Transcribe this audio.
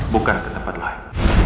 bukan ke tempat lain